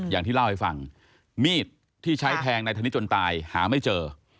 อย่างที่เล่าให้ฟังมีดที่ใช้แทงนายธนิดจนตายหาไม่เจอ